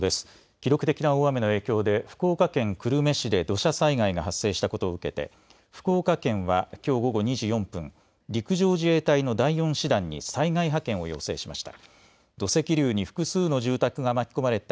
記録的な大雨の影響で福岡県久留米市で土砂災害が発生したことを受けて福岡県はきょう午後２時４分陸上自衛隊の第４師団に災害派遣を要請しました。